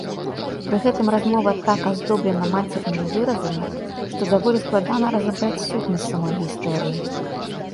Пры гэтым размова так аздоблена мацернымі выразамі, што даволі складана разабраць сутнасць самой гісторыі.